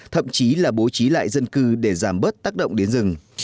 thậm chí là bố trí lại dân cư để giảm bớt tác động đến rừng